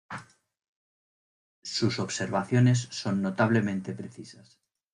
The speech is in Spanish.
Sus observaciones son notablemente precisas.